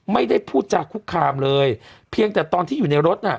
ไม่ได้พูดจาคุกคามเลยเพียงแต่ตอนที่อยู่ในรถน่ะ